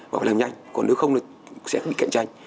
và phải làm nhanh còn nếu không sẽ bị cạnh tranh